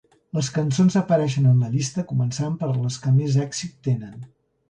Les cançons apareixen en la llista començant per les que més èxit tenen.